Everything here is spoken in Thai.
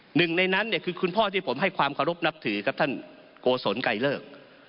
หนึ่งในนั้นเนี่ยคือคุณพ่อที่ผมให้ความเคารพนับถือครับท่านโกศลไกลเลิก